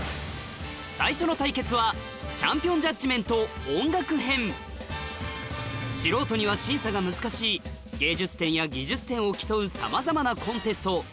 最初の対決は素人には審査が難しい芸術点や技術点を競うさまざまなコンテスト